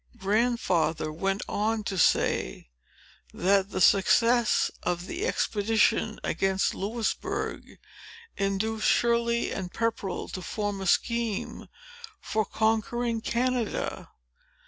Grandfather went on to say, that the success of the expedition against Louisbourg, induced Shirley and Pepperell to form a scheme for conquering Canada.